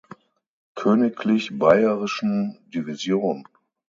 Königlich Bayerischen Division.